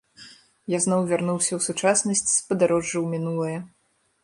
Я зноў вярнуўся ў сучаснасць з падарожжа ў мінулае.